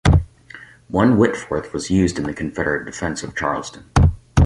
One Whitworth was used in the Confederate defense of Charleston.